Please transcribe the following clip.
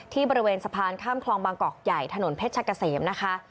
บริเวณสะพานข้ามคลองบางกอกใหญ่ถนนเพชรกะเสมนะคะ